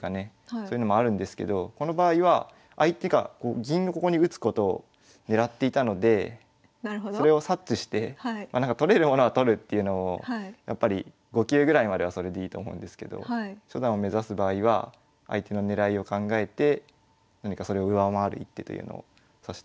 そういうのもあるんですけどこの場合は相手が銀をここに打つことを狙っていたのでそれを察知して取れるものは取るっていうのもやっぱり５級ぐらいまではそれでいいと思うんですけど初段を目指す場合は相手の狙いを考えて何かそれを上回る一手というのを指してもらいたいなと思います。